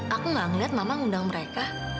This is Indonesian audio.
aku gak ngeliat mama ngundang mereka